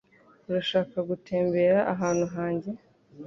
Urashaka gutembera ahantu hanjye?